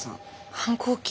反抗期？